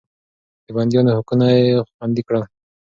د بنديانو حقونه يې خوندي کړل.